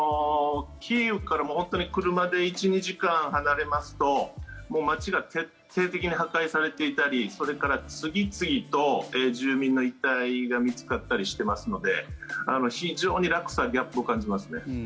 キーウから車で１２時間離れますと街が徹底的に破壊されていたりそれから次々と住民の遺体が見つかったりしていますので非常に落差、ギャップを感じますね。